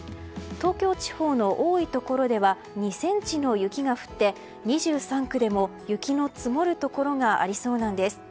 東京地方の多いところでは２ｃｍの雪が降って２３区でも雪の積もるところがありそうなんです。